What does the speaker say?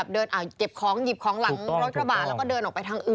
เก็บของหยิบของหลังรถกระบะแล้วก็เดินออกไปทางอื่น